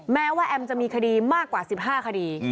แม้ว่าแอมจะมีคดีมากกว่า๑๕คดี